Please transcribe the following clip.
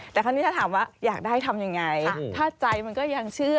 แต่คราวนี้ถ้าถามว่าอยากได้ทำยังไงถ้าใจมันก็ยังเชื่อ